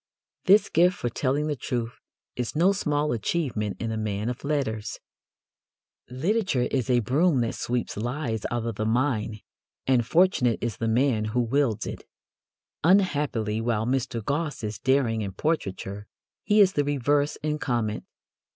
This gift for telling the truth is no small achievement in a man of letters. Literature is a broom that sweeps lies out of the mind, and fortunate is the man who wields it. Unhappily, while Mr. Gosse is daring in portraiture, he is the reverse in comment.